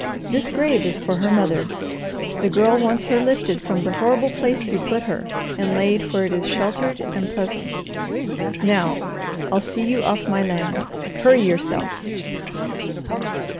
This grave is for her mother. The Girl wants her lifted from the horrible place you put her, and laid where it is sheltered and pleasant. Now, I'll see you off my land. Hurry yourself!"